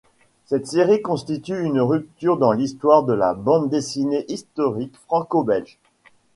Cette série constitue une rupture dans l'histoire de la bande dessinée historique franco-belge.